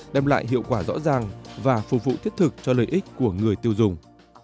đem lại hiệu quả rõ ràng và phục vụ thiết thực cho lợi ích của người tiêu dùng